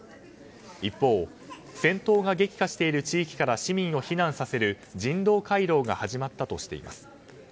一方、戦闘が激化している地域から市民を避難させる人道回廊が始まったとしています。